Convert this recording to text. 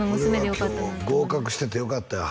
俺は今日合格しててよかったよ